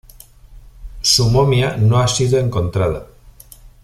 Su momia no ha sido encontrada.